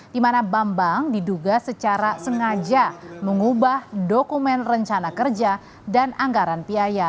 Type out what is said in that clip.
di mana bambang diduga secara sengaja mengubah dokumen rencana kerja dan anggaran biaya